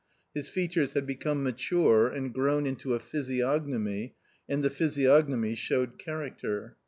His features had become mature and grown into a physiognomy and the physiognomy showed character.